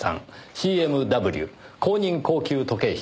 ＣＭＷ公認高級時計師です。